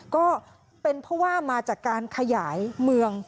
ก็เป็นเพราะว่ามาจากการขยายเมือง